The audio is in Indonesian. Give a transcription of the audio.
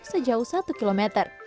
sejauh satu km